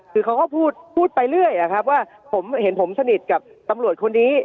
คือเขาก็พูดพูดไปเรื่อยว่าผมเห็นผมสนิทกับตำรวจคนนี้